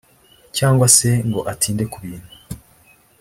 cyangwa se ngo atinde ku bintu